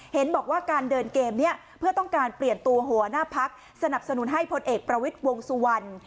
เห็นบอกว่าการเดินเกมนี้เพื่อต้องการเปลี่ยนตัวหัวหน้าพักสนับสนุนให้พลเอกประวิทย์วงสุวรรณ